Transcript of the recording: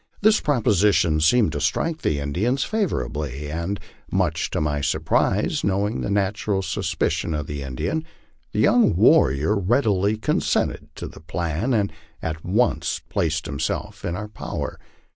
This proposition seemed to strike the Indians favorably, and much to my surprise, knowing the natural suspicion of the Indian, the young warrior readily consented to the plan, and at once placed himself in our power.